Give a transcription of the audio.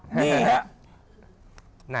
นี่ฮะ